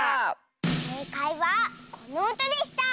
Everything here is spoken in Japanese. せいかいはこのうたでした。